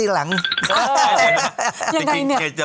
หล้อนะ